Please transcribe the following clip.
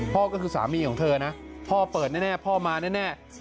พ่อก็คือสามีของเธอนะพ่อเปิดแน่พ่อมาแน่